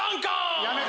やめて。